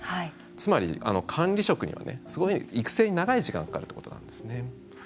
つまり、管理職にはすごい育成に長い時間かかるということなんですね。